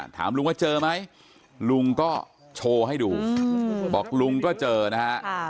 ถามลุงว่าเจอไหมลุงก็โชว์ให้ดูบอกลุงก็เจอนะฮะ